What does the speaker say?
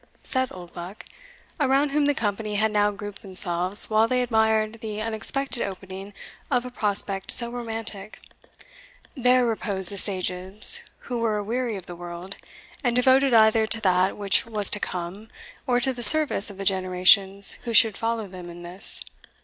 said Oldbuck, around whom the company had now grouped themselves while they admired the unexpected opening of a prospect so romantic; "there reposed the sages who were aweary of the world, and devoted either to that which was to come, or to the service of the generations who should follow them in this.